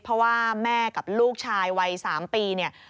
เพราะว่าแม่กับลูกชายวัย๓ปีเนี่ย